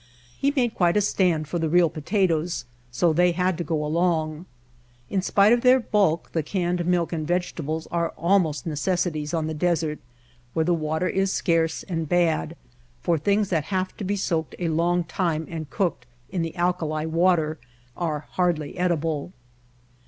He made quite a stand for the real potatoes, so they had to go along. In spite of their bulk the canned milk and vege tables are almost necessities on the desert, where the water is scarce and bad, for things that have to be soaked a long time and cooked in the alkali water are hardly edible.